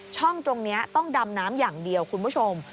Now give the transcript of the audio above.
ช่องตรงนี้ต้องดำน้ำอย่างเดียวคุณผู้ชม